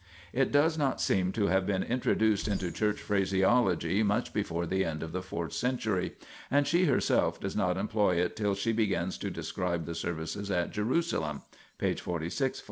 It does not seem to have been introduced into church phraseology much before the end of the fourth century, and she herself does not employ it till she begins to describe the services at Jerusalem (pp. 46 ff.).